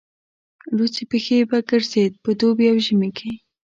لوڅې پښې به ګرځېد په دوبي او ژمي کې.